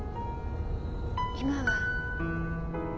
今は。